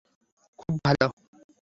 খুব ভালো।